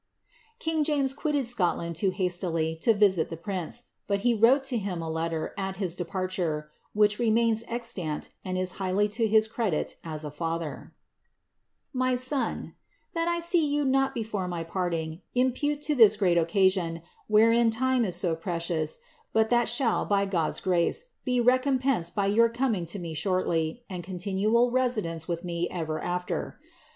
K ing James quitted Scotland too hastily to visit the prince ; but he wroie to him a letter, at his departure, which remains extant, and is highly to his credit as a father— «My Son, That I fee ]rou not before my parting, impate to thii great occasion, wherein time it to precious, but that shall, by God's grace, be recompensed by your coming 10 me shortly, and continual residence with me erer after.